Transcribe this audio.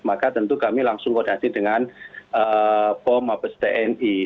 maka tentu kami langsung wadati dengan pom atau tni